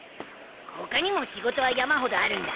他にも仕事は山ほどあるんだ。